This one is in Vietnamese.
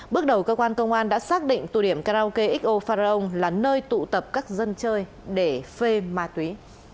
bước đầu cơ quan công an đã xác định tụ điểm karaoke xo pharong là nơi tụ tập các dân chơi để phê ma túy